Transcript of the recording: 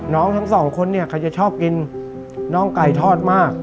น้องทั้ง๒คนเนี่ยก็จะชอบกินน้องไก่ทอดมาก